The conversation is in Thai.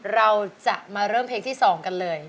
เราจะมาเริ่มเพลงที่๒กันเลย